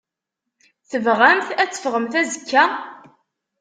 Tebɣamt ad teffɣemt azekka?